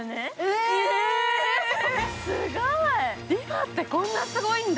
ＲｅＦａってこんなすごいんだ。